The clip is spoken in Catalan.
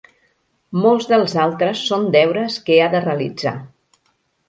Molts dels altres són deures que ha de realitzar.